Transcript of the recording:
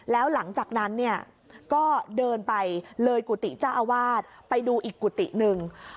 แล้วหลังจากนั้นเนี่ยก็เดินไปเลยกุฏิเจ้าอาวาสไปดูอีกกุฏิหนึ่ง